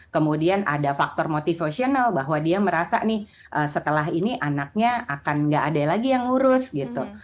kemudian ada faktor motivasional bahwa dia merasa nih setelah ini anaknya akan nggak ada lagi yang ngurus gitu